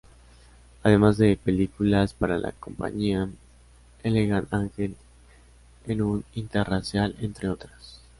Además de películas para la compañía Elegant Angel en un interracial, entre otras.